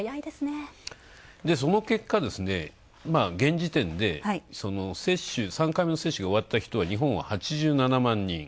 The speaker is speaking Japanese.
で、その結果、現時点で接種３回目接種終わった人、日本は８７万人。